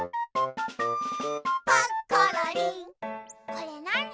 これなに？